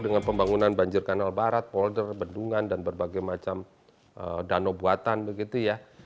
dengan pembangunan banjir kanal barat polder bendungan dan berbagai macam danau buatan begitu ya